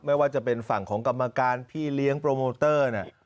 ไม่ว่าจะเป็นฝั่งของกรรมการพี่เลี้ยงโปรโมเตอร์